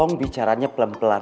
tolong bicaranya pelan pelan